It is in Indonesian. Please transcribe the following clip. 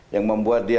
yang membuat dia